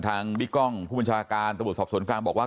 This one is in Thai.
บิ๊กกล้องผู้บัญชาการตำรวจสอบสวนกลางบอกว่า